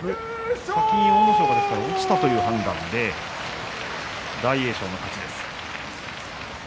先に阿武咲が落ちたという判断で大栄翔の勝ちです。